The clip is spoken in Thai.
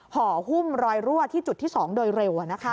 ห่อหุ้มรอยรั่วที่จุดที่๒โดยเร็ว